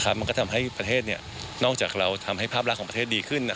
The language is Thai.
มันก็ทำให้ประเทศนอกจากเราทำให้ภาพลักษณ์ของประเทศดีขึ้น